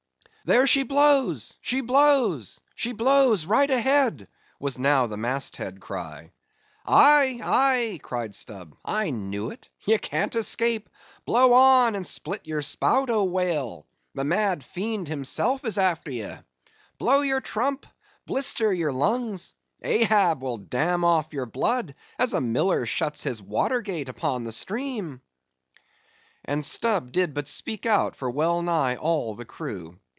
"There she blows—she blows!—she blows!—right ahead!" was now the mast head cry. "Aye, aye!" cried Stubb, "I knew it—ye can't escape—blow on and split your spout, O whale! the mad fiend himself is after ye! blow your trump—blister your lungs!—Ahab will dam off your blood, as a miller shuts his watergate upon the stream!" And Stubb did but speak out for well nigh all that crew.